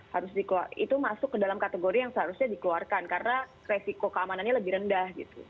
harus dikeluarkan itu masuk ke dalam kategori yang seharusnya dikeluarkan karena resiko keamanannya lebih rendah gitu